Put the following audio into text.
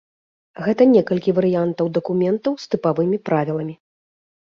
Гэта некалькі варыянтаў дакументаў з тыпавымі правіламі.